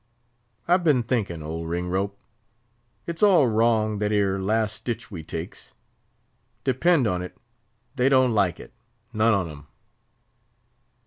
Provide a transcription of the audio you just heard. I've been thinkin', old Ringrope, it's all wrong that 'ere last stitch we takes. Depend on't, they don't like it—none on 'em."